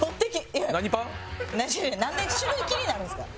なんで種類気になるんですか？